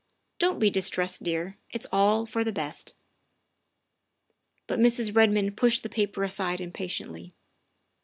Don't be distressed, dear. It 's all for the best. '' But Mrs. Redmond pushed the paper aside impa tiently.